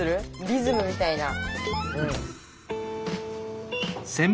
リズムみたいな。